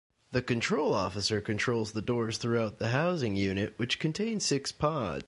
The control officer controls the doors throughout the housing unit, which contains six pods.